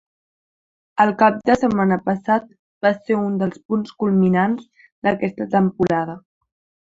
El cap de setmana passat va ser un dels punts culminants d’aquesta temporada.